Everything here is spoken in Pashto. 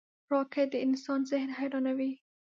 راکټ د انسان ذهن حیرانوي